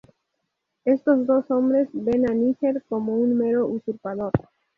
Estos dos hombres ven a Níger como un mero usurpador.